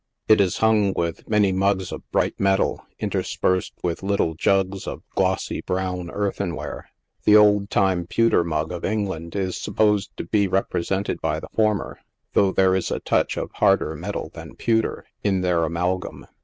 It is hung with many mugs of bright metal, interspersed with little jugs of glossy, brown earthen ware. The old time pewter mug of England is supposed to be re presented by the former, though there is a touch of harder metal than pewter in their amalgam.